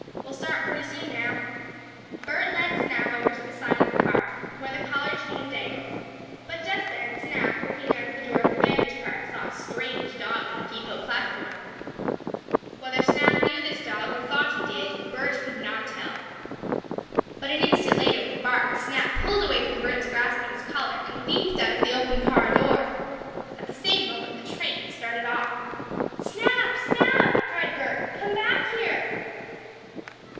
"We'll start pretty soon now." Bert led Snap over to the side of the car, where the collar chain dangled, but, just then, Snap, looking out of the door of the baggage car, saw a strange dog on the depot platform. Whether Snap knew this dog, or thought he did, Bert could not tell. But, an instant later, with a bark, Snap pulled away from Bert's grasp on his collar, and leaped out of the open car door. At the same moment the train started off. "Snap! Snap!" cried Bert. "Come back here!"